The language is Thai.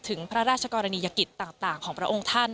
ถึงพระราชกรณียกิจต่างของพระองค์ท่าน